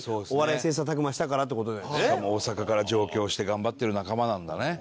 しかも大阪から上京して頑張ってる仲間なんだね。